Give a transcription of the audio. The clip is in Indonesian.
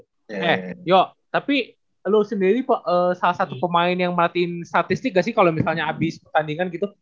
eh yo tapi lu sendiri salah satu pemain yang merhatiin statistik gak sih kalo misalnya abis pertandingan gitu